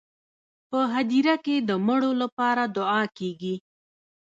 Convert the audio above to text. په هدیره کې د مړو لپاره دعا کیږي.